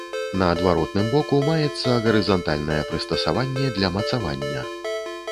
На адваротным боку маецца гарызантальнае прыстасаванне для мацавання.